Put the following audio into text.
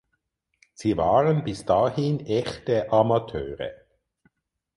Sie waren bis dahin echte Amateure.